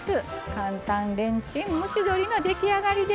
簡単レンチン蒸し鶏の出来上がりです。